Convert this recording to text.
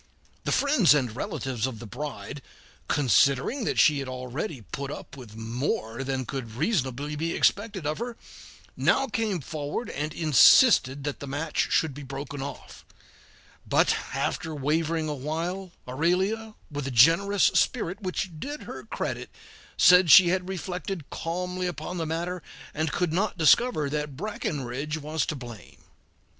The friends and relatives of the bride, considering that she had already put up with more than could reasonably be expected of her, now came forward and insisted that the match should be broken off; but after wavering awhile, Aurelia, with a generous spirit which did her credit, said she had reflected calmly upon the matter, and could not discover that Breckinridge was to blame.